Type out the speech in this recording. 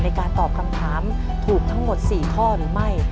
ในการตอบคำถามถูกทั้งหมด๔ข้อหรือไม่